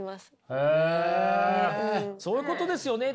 そういうことですよね。